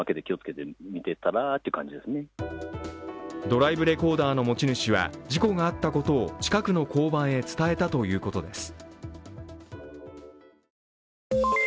ドライブレコーダーの持ち主は事故があったことを近くの交番へ伝えたということです。